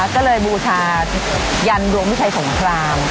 ก็เลยบูชายันดวงวิชัยสงคราม